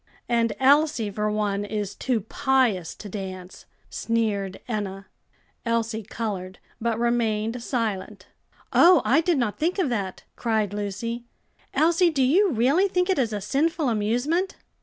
"And Elsie, for one, is too pious to dance," sneered Enna. Elsie colored, but remained silent. "Oh! I did not think of that!" cried Lucy. "Elsie, do you really think it is a sinful amusement?"